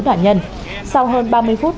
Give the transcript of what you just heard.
nạn nhân sau hơn ba mươi phút